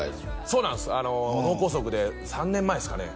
そうなんす脳梗塞で３年前っすかね